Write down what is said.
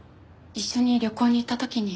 一緒に旅行に行った時に。